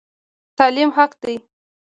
تعلیم حق دی